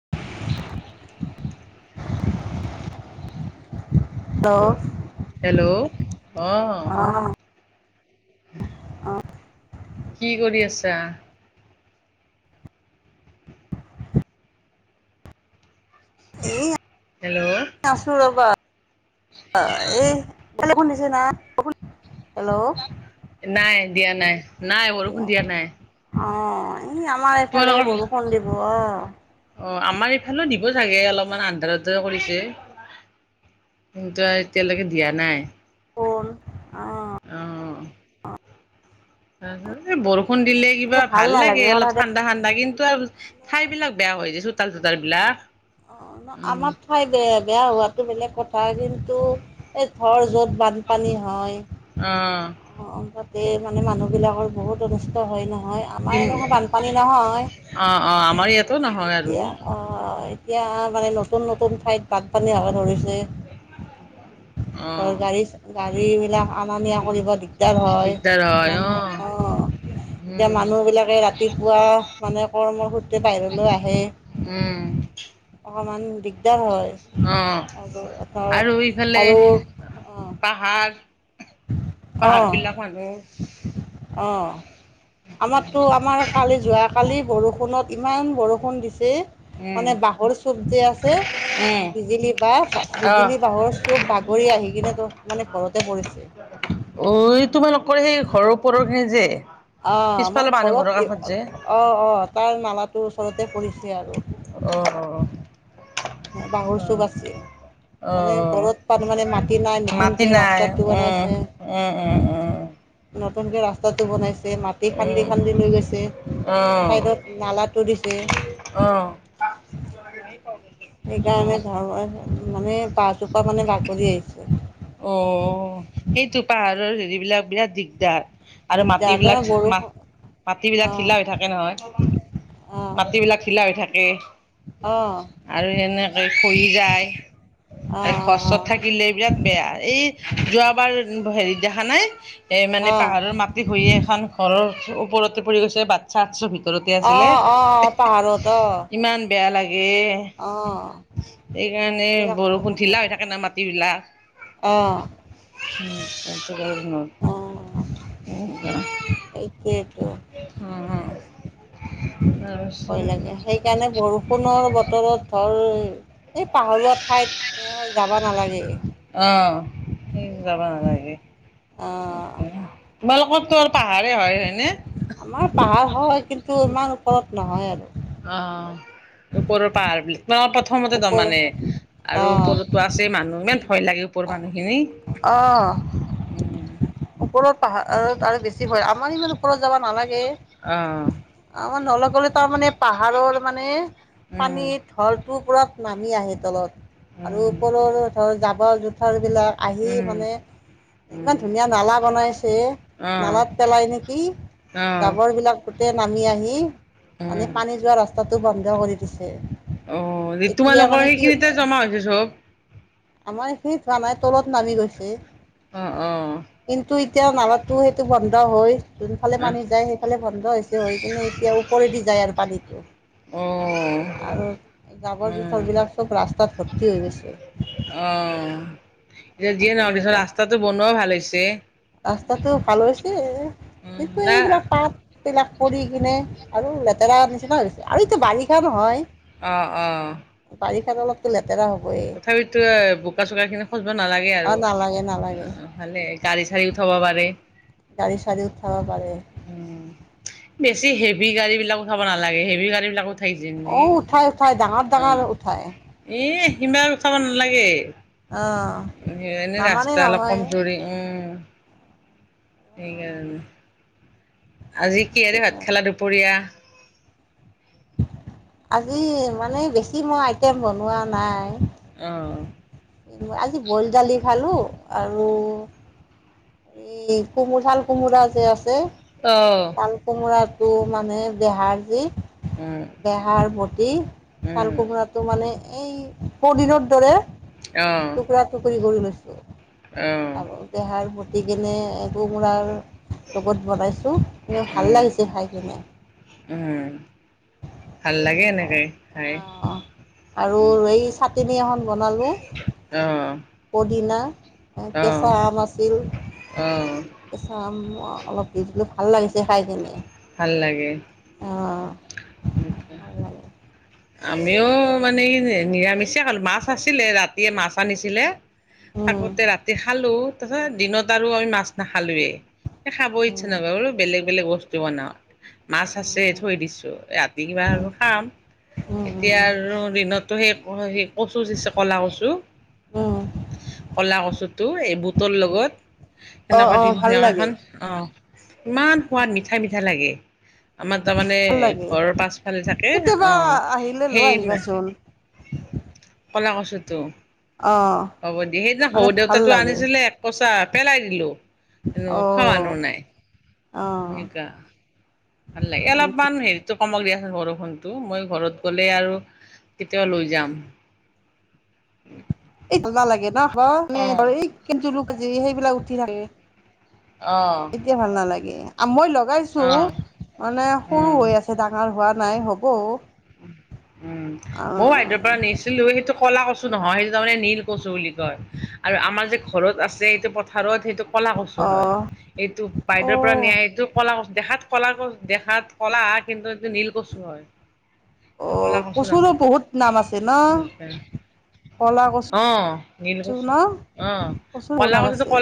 [inaudible] Hello hello অহ। অহ। কি কৰি আছা? এই হেল্ল'? আছো ৰবা শুনিছে না হেল্ল'? নাই দিয়া নাই নাই বৰষুণ দিয়া নাই। অ' ই আমাৰ এইফালে তোমালোকৰ বৰষুণ দিব অহ। অ' আমাৰ এইফালে দিব চাগে অলপমান আন্ধাৰ আন্ধাৰ কৰিছে। কিন্তু আৰু এতিয়ালৈকে দিয়া নাই। অহ আ। অহ। বৰষুণ দিলে কিবা এইবোৰ ভাল নালাগে লাগে অলপ হঠাতে ঠাণ্ডা ঠণ্ডা ঠাণ্ডা কিন্তু আৰু ঠাই বিলাক বেয়া হৈ যে চোতাল চোতাল বিলাক। অ' ন উম আমাৰ ঠাই বে বেয়া হোৱাটো বেলেগ কথা কিন্তু এই থৰ যত বানপানী হয়। উম। অ' তাতে মানে মানুহ বিলাকৰ বহুত অনষ্ট হয় নহয়। আমাৰ কি এনেকুৱা বানপানী নহয় অ অ আমাৰ ইয়াতো নহয় আৰু এতিয়া অহ। এতিয়া মানে নতুন নতুন ঠাইত বানপানী হ'ব ধৰিছে। অ ধৰ গাড়ী গাড়ী বিলাক অনা নিয়া কৰিব দিগদাৰ হয় দিগদাৰ হয় অ মানুহ অহ এতিয়া উম মানুহবিলাকে ৰাতিপুৱা মানে কৰ্মসূত্ৰে বাহিৰলৈ আহে। উম। অকমান দিগদাৰ হয় অ' আৰু ধৰ আৰু ইফালে আৰু পাহাৰ। পাহাৰ অহ বিলাক মানুহ অহ। আমাৰতো আমাৰ কালি যোৱাকালি বৰষুণত ইমান বৰষুণ দিছে। উম মানে বাঁহৰ চুপ যে আছে উম বিজুলী বাহ অ' বিজুলী বাহৰ চুপ বাগৰি আহি কিনে তো মানে ঘৰতে পৰিছে। অই তোমালোকৰ সেই ঘৰৰ ওপৰৰ খিনি যে। অ' আমাৰ পিছফালৰ মানুহ ঘৰৰ ঘৰত কাষত যে অ' অ' তাৰ মালাটো ওচৰতে পৰিছে আৰু। অহ। বাহৰ চব আছে মানে অ' ঘৰত মানে মাটি নাই মাটি নতুনকে নাই ৰাস্তাত উম উম উম নতুনকে ৰাস্তাতটো বনাইছে। মাটি উম খান্দি উম খান্দি লৈ গৈছে অ' চাইডত নালাটো দিছে। অহ। ন প [inaudible] সেইকাৰণে ধৰ্ম মানে বাহজোপা মানে বাগৰি আহিছে। অ' সেইটো পাহাৰৰ হেৰিবিলাক বিৰাট দিগদাৰ। আৰু দিগদাৰ তাৰমানে মাটিবিলাক, বৰষুণ মাটি বিলাক অ' ঢিলা হৈ থাকে নহয়। অ' মাটিবলাক ঢিলা হৈ থাকে অ' আৰু এনেকে [unintelligible] যায়। অ' অ' আৰু ঘৰ চৰ থাকিলে বিৰাট বেয়া এই যোৱাবাৰ হেৰিত দেখা নাই! এ, মানে অ' পাহাৰৰ মাটি খহিয়ে এখন ঘৰৰ ওপৰতে পৰি গৈছে বাট বাটচা [unintelligible] ভিতৰতে অ' আছিলে অ' অ' পাহাৰত অ' ইমান বেয়া লাগে! অ' সেইকাৰণে সেইবিলাক বৰষুণ ঢিলা হৈ থাকে না মাটিবলাক। অ'। [inaudible] [inaudible] এইটোৱেই টো। হ' হ'। ভয় লাগে, সেইকাৰণে বৰষুণৰ বতৰত ধৰ এই পাহৰুৱা ঠাইত [unintelligible] যাব নালাগে। অ', সেই [unintelligible] যাব নালাগে। অ', তোমালোকৰ টো আৰু পাহাৰে হয়, হয়নে? আমাৰ পাহাৰ হয়, কিন্তু ইমান ওপৰত নহয় আৰু। অ', ওপৰৰ পাহাৰবিলাক প্ৰথমতে ওপৰত তাৰমানে আৰু অ', ওপৰত আছে মানুহ ইমান ভয় লাগে ওপৰ মানুহখিনি। অ'। উম ওপৰত পাহাৰত আৰু বেছি ভয়, আমাৰ ইমান ওপৰত যাব নালাগে। অ'। আমাৰ নল-গলে তাৰমানানে পাহাৰৰ মানে উম পানীত [unintelligible] টো পূৰা নামি আহে তলত আৰু ওপৰৰ ধৰ জাবৰ জোথৰবিলাক আহি উম উম মানে ইমান উম ধুনীয়া নালা বনাইছে, অ' নালাত পেলাই নেকি অ' জাবৰবিলাক গোটেই নামি আহি মানে উম পানী যোৱা ৰাস্তাটো বন্ধ কৰি দিছে। অ', এতিয়া তোমালোকৰ মানে কি সেইখিনিতে জমা হৈছে চব! আমাৰ এইখিন হোৱা নাই তলত নামি গৈছে। অ', অ'। কিন্তু এতিয়া নালাটো সেইটো বন্ধ হৈ যোনফালে আহ অ' উম পানী যায়, সেইফালে বন্ধ হৈছে হৈ কিনে এতিয়া ওপৰে দি যায় আৰু পানীটো। আৰু জাবৰ-জোথৰবিলাক চব ৰাস্তাত ভৰ্তি হৈ গৈছে। অ', এতিয়া যিয়ে নহওঁ [unintelligible] তেনেকুৱা ৰাস্তাটো বনোৱা ভাল হৈছে। ৰাস্তাটো ভাল হৈছে, উম কিন্তু না এইবিলাক পাত তবিলাক পৰি কিনে আৰু লেতেৰা নিচিনা হৈ হৈছে আৰু এইটো বাৰিষা নহয়! অ', অ'। বাৰিষাত অলপতো লেতেৰা হ'বয়েই। তথাপিতো বোকাচোকাখিনি খজবা নালাগে আৰু অ'। নালাগে নালাগে ভালে গাড়ী চাড়ী উঠাব পাৰে। গাড়ী চাড়ী উঠাব পাৰে। উম, বেছি হেভি গাড়ীবিলাকো উঠাব নালাগে, হেভি গাড়ীবিলাকত অ', উঠাই, উঠাই ডাঙৰ, ডাঙৰ উঠায়। এহ, সিমান উঠাব নালাগে। অহ। [unintelligible] ৰাস্তা অলপ কমজুৰি উম। নামানে সেইকাৰণে। আজি সেইটো কিহেৰে ভাত কাৰণে খালা দুপৰীয়া? আজি মানে বিশেষ মই আইটেম বনোৱা নাই। অ'। আজি বইল দালি খালোঁ আৰু এই কোমোৰঝাল কোমোৰা যে আছে। অ'। কাল কোমোৰাটো মানে দেহাৰ যি অ'। এহাৰ ভটি ছাল কোমোৰাটো মানে এই বদিনৰ দৰে আহ টুকৰা টুকৰি কৰি লৈছো আহ আ দেহাৰ গকনে কোমোৰাৰ লগত বনাইছো ভাল উম লাগিছে খাই কিনে। উম। ভাল লাগে এনেকুৱা এনেকে খাই। অঁ আৰু এই চাটনি এখন বনালোঁ। অ'। পদিনা অ কেঁচা আম আছিল। অ'। কে অলপ দি দিলো ভাল লাগিছে খাই কিনে। ভাল লাগে। অ'। নি্চয়। আমিও মানে ই নিৰামিষে কাল মাছ আছিলে ৰাতিয়ে মাছ আনিছিলে। থাকোতে ৰাতি খালো তাৰপিছত দিনত আৰু আমি মাছ নাখালয়েই। খাব ইচ্ছা নক বো বেগ বেলেগ বস্তু বন মাছ আছে থৈ দিছো ৰাতি কিবা লাগে আৰু খাম। উম উম উম এতিয়াৰ দিনতো সেই স কচুিছে কলা কচু উম কলা কচু টো এই বুটৰ লগত অ অ ভাল এনেকুৱা লাগে এখন অ' ইমান সোৱাদ মিঠাই মিঠাই লাগে। আমাৰ তাৰমানে ভাল লাগে ঘৰৰ পাছফালি থাকে কেতিয়াবা অ' আহিলে লৈ সেই আহিবাচোন কলা কছুতো অ হ'ব দিয় সেইদিনা মানে সৰু ভাল দেউতাটো লাগে আনিছিলে। কচা পেলাই দিলো এ অ খোৱানো নাই অ এনেকা। আল এল হয় নেকি বান হ কমক দিয়া বৰষুণতটো মই ঘৰত গ'লে আৰু কেতিয়াবা লৈ যাম। এই না লাগে ন অঁ এই কে জুলি সেইবিলাক উঠি থাকে। অ'। তেতিয়া ভাল নালাগে মই লগাইছো মানে সৰু উম হৈ আছে তাক আমাৰ হোৱা নাই হ'ব। উম ময়ো হাইদেৰ পৰা নিছো। সেইটো কলা কচু নহয় সেইটো তাৰমানে নীল কচু বুলি কয় আৰু আমাৰ যে ঘৰত আছে সটো পথাৰত সেইটো কলা কচু হয় অ এইটো বাইদেউৰ পৰা নিয়া এইটোক কলা কচ দেখাত কলা কচ দেখাত কলা কিন্তু এইটো নীল কচু হয়। ক'লা অ' কচু কচুৰো বহুত নাম আছে ন। নহয় কলা কচু অঁ নীল কছু ন কচু অঁ কচু শুন ক আছে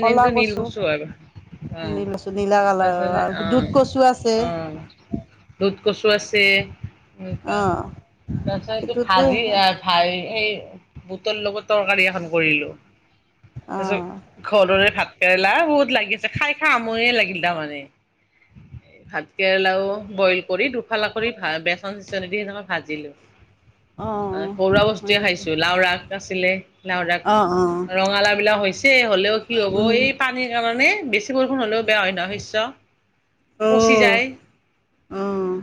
কলা কচু। শ হয়। অঁ নীলা নীলা তাৰপিছত কালাৰৰ আৰু অঁ দুধ কচু আছে। অঁ দুধ কচু আছে অ এনেকুৱা তাৰপত এইটো সেইটোতো ভাজি আৰু ভাই সেই বুটৰ লগত তৰকাৰী এখন কৰিলোঁ অ তাৰপিছত ঘৰৰে ভাত কেৰেলা বহুত লাগি আছে খাই খা সময়ে লাগিল তাৰমানে। ভাত কেৰেলাও বইল কৰি দুফালা কৰি ভ বেচ ন চিচন দি সেইকে ভাজিলো অ সৰুৱা হয় বস্তুৱয়ে নেকি খাইছো লাও ৰাগ আছিলে লাাহদাক অ অ ৰঙাল বিলাক হৈছে হ'লেও কি হ'ব উম এই পানীৰ কাৰণে বেছি বৰষুণ হ'লেও বেয়া হয় নয় শস্য অ পচি যায়। অ'।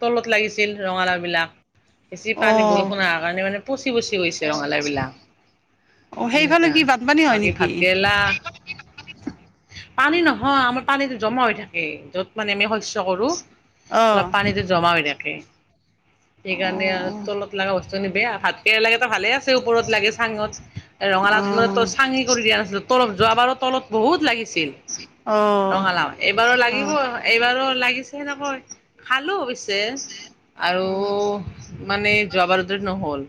তলত লাগিছিল ৰঙালাও বিলাক। বেছি অ পানী বৰষুণৰ কাৰণে মানে পচি, পচি গৈছে ৰঙালা বিলাক। অ সেইফালে এনেকা কি বানপানী হয় বাকী নেকি ভাতকেৰেলা পানী নহয় আমাৰ পানীটো জমা হৈ থাকে য'ত মানে আমি শস্য কৰোঁ অ অলপ পানীটো জমা হৈ থাকে। সেইকাৰণে অ আৰু তলত লগা বস্তুখিন বেয়া, ভাতকেৰেলা কেইটা ভালে আছে, ওপৰত লাগে চাঙত। অ ৰঙালাওটোৰত টো চাঙি কৰি দিয়া নাছিলো, তলত, যোৱাবাৰো তলত বহুত লাগিছিল। অ অ ৰঙালাও, এইবাৰো লাগিব নহয়। এইবাৰো লাগিছে সেনেকৈ, খালো অৱশ্যে। আৰু মানে যোৱা বাৰুতে নহ'ল।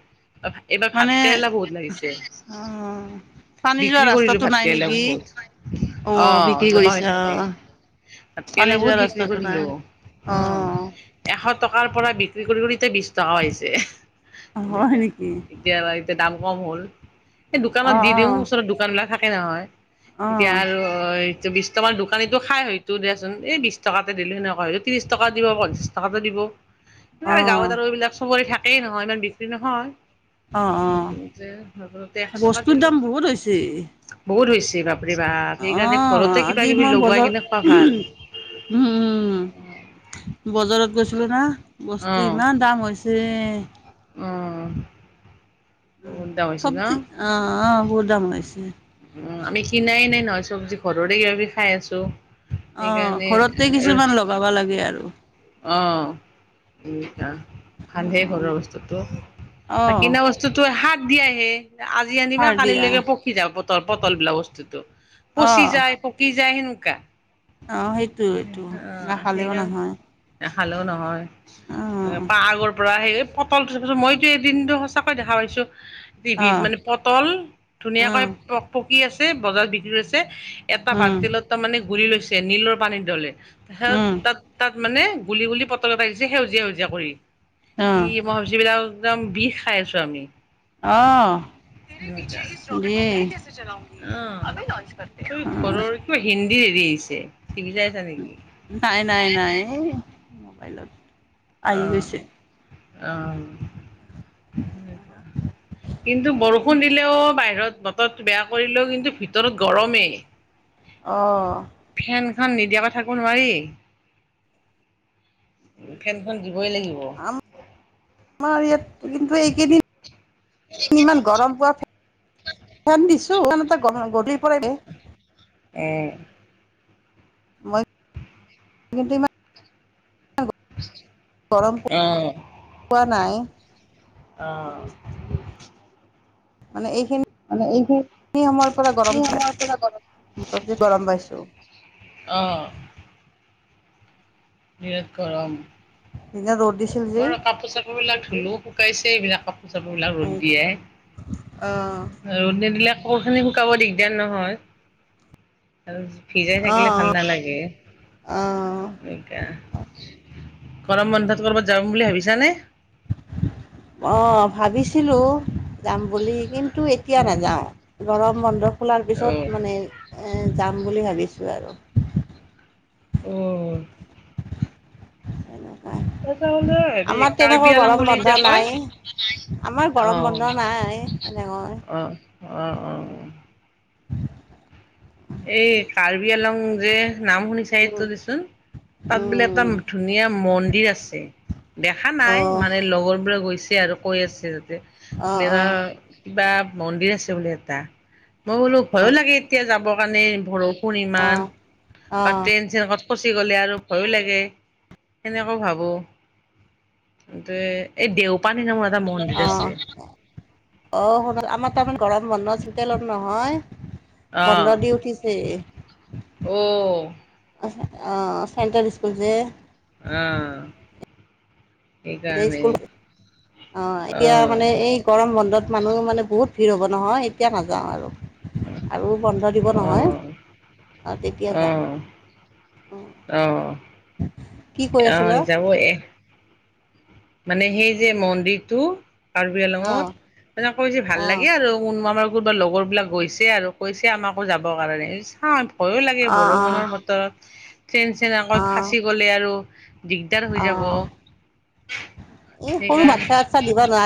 এইবাৰ মানে ভাতকেৰেলা বহুত লাগিছে। অ পানী যোৱা বিক্ৰী কৰিলো ৰাস্তাটো ভাত নাই কেৰেলা নেকি বহুত, অ অহ, বিক্ৰী জমা হৈ কৰিছে অ থাকে। পানী ভাতকেৰেলা যোৱা বহুত বিক্ৰী ৰাস্তাটো কৰিলো, নাই উঁহ। অ এশ টকাৰ পৰা বিক্ৰী কৰি, কৰি এতিয়া বিশ টকা বাঢ়িছে, হয় এনেকাই। নেকি এতিয়া, এতিয়া দাম কম হ'ল। সেই অ দোকানত দি, দিও অ ওচৰত দোকান বিলাক থাকে নহয়। এতিয়া অঁ আৰু হয়। এইটো বিশটামান দোকানীটো খাই হয়তো দেচোন, এই বিশ টকা এটা দিলে সেনেকুৱা হয়, ত্ৰিশ টকা দিব প। তাহাঁতে দিব, নাই গাঁৱত অঁ আৰু এইবিলাক চবৰে থাকেই নহয়, ইমান বিক্ৰী নহয়। অ', অ', নতুনতে এশ টকা বস্তুৰ দিলো দাম বহুত হৈছে। বহুত হৈছে বাপৰে বাহ, সেইকাৰণে অঁ ঘৰতে আজি কিবা-কিবি মই লগাই বজাৰ কিনে, খোৱা ভাল। উম, উম বজাৰত গৈছিলো না, বস্তু ইমান দাম হৈছে। ৰেহ উহ। উহ, চবজি অ', অ', বহুত দাম হৈ আছে। উম, আমি কিনাই নাই নহয় চবজি ঘৰৰে কিবা কিবি খাই আছো। অ, সেইকাৰণে ঘৰতে কিছুমান লগাবা লাগে আৰু। অ, উহ-আহ' ভালহে অঁ ঘৰৰ বস্তুটো, অঁ কিনা বস্তু। বস্তুতো হাক দিয়াহে, আজি আনিবা সাৰ দিয়া কালিলৈকে পকি যাব পটল-পটল বিলা বস্তুটো। পচি অঁ যায়, পকি যায়, সেনেকা। অ, সেইটো এইটো নাখালেও সেইকাৰণে নহয়। নাখালেও নহয়, এ অঁ পাৰাগৰ পৰা সেই পটলটো চাবাচোন, মইতো এদিনটো সঁচাক দেখা পাইছো। টিভিত অঁ মানে পটল ধুনীয়াকৈ প পকি আছে বজাৰত বিক্ৰী হৈ, এটা অঁ বন্তিলত তাৰমানে গুৰি লৈছে নীলৰ পানী দলে। সেয়াত অঁ তাত, তাত মানে গুলি, গুলি পটল বাক দিছে, সেউজীয়া, সেউজীয়া কৰি ই অঁ মই ভাবিচিলো আৰু, একদম বিষ খাই আছো আমি। অহ'। মেৰে পিছ সেনেকুৱা [inaudible] উহ কেছে সালৌগী, অ' আবে এই ঘৰৰ নস্কি। কিবা হিন্দী এৰি আহিছে, কিবা যে নাই, নাই, নাই মোবাইলত। আহি গৈছে আহ', আহ'। কিন্তু বৰষুণ দিলেও বাহিৰত, বতৰটো বেয়া কৰিলেও কিন্তু ভিতৰত গৰমেই। অহ'। ফেনখন নিদিয়াকৈ থাকিব নোৱাৰি। ফেনখন দিবই লাগিব। আম, আমাৰ ইয়াত কিন্তু এইকেইদিন ইমান গৰম পোৱা ফেন, ফেন দিছো। টো ফেন এটা গ-গধূলি পৰাই দিয়ে। উম, মই কিন্তু ইমান ঊচি গৰম পো-পোৱা নাই। অহ'। মানে এই মানে এইখিনি খিন-নিৰ সময়ৰ পৰা এই গৰম সময়ৰ পৰা গৰম। পোৱা, তে গৰম পাইছো। অহ'। বিৰাত গৰম। পি নে ৰ'টি আম কাপোৰ-চাপোৰ বিলাক ধুলোও শুকাইছে এইবিলাক কাপ কাপোৰ -চাপোৰ বিলাক অ ৰ'দ দিয়াই। ৰ'দ নিদিলে ক খিনি শুকাব দিগদাৰ নহয়। আৰু ভিজাই অ থাকিলে ভাল নালাগে। অ অ এ গৰম বন্ধত কৰবাত যাব বুলি ভাবিছা নে? অ ভাবিছিলো যাম বুলি কিন্তু এতিয়া উম, নাযাওঁ গৰম বন্ধ খোলাৰ পিছত অ', মানে যাম বুলি ভাবিছোঁ আৰু। অ'। এনেকুৱা এটা হলে হেৰি আমাৰ কাৰ্বি তেনেকৈ আলং গৰম বুলি বন্ধ যে কয় নাই আমাৰ গৰম অ', বন্ধ নাই এনেকৈ অঁ অঁ অঁ। এই কাৰ্বি আলং যে নাম শুনিছাই তো দিচোন তাত বোলে এটা ধুনীয়া মন্দিৰ আছে। দেখা অঁ নাই অঁ মানে লগৰ বোৰে গৈছে আৰু কৈ আছে যাতে অঁ অঁ কিবা মন্দিৰ আছে বোলে এটা, মই বোলো ভয়ো লাগে এতিয়া যাবৰ কাৰণে ভ অঁ অঁ [unintelligible] যেনেকাত ফচি গ'লে আৰু ভয়ো লাগে সেনেকৈ ভাবোঁ। এই দেওপানী নামৰ এটা মন্দিৰ আছে। অ সোণাল আমাৰ তাৰমানে গৰম বন্ধ চিতেলৰ নহয়। অ'। বন্ধ দি উঠিছে। অ। চেণ্ট্ৰেল স্কুল যে আহ। এতিয়া সেইকাৰণে স্কুল অ এতিয়া মানে অ', এই গৰম বন্ধত মানুহ মানে বহুত ভিৰ হ'ব নহয়, এতিয়া নাযাওঁ আৰু। আৰু বন্ধ দিব অ', নহয় অ', অঁ তেতিয়া যাম। অ। [unintelligible] আহ আছিলা যাব এ মানে সেই যে মন্দিৰটো কাৰ্বি অঁ আলঙত তেনে কৈ যে ভাল অঁ লাগে আৰু কমাৰ কব লগৰ বিলাক গৈছে আৰু কৈছে আমাকো যাব কাৰণে চাওঁ ভয়ো লাগে অঁ বৰষুণৰ বতৰত ট্ৰেইন চেন অঁ অকল অঁ ফাঁচি গ'লে আৰু দিগদাৰ হৈ যাব। এ সৰু সেইকাৰণে বাচ্ছা চচ্ছা দিব নোৱাৰি